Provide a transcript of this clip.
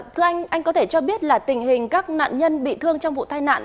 thưa anh anh có thể cho biết là tình hình các nạn nhân bị thương trong vụ tai nạn